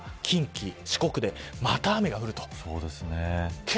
明日の夜は近畿、四国でまた雨が降ると。